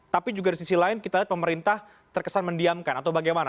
tapi juga di sisi lain kita lihat pemerintah terkesan mendiamkan atau bagaimana